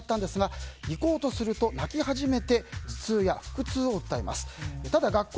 今週の月曜日から学校が始まったんですが行こうとすると泣き始めて頭痛や腹痛を訴えます。